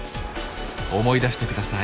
思い出してください。